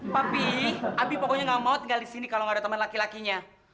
papi abi pokoknya gak mau tinggal di sini kalo gak ada temen laki lakinya